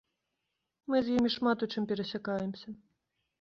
Мы з імі шмат у чым перасякаемся.